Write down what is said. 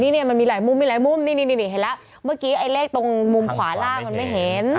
นี่มันมีหลายมุมมีหลายมุมนี่เห็นแล้วเมื่อกี้ไอ้เลขตรงมุมขวาล่างมันไม่เห็น